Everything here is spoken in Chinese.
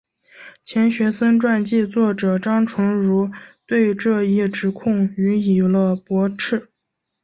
钱学森传记作者张纯如对这一指控予以了驳斥。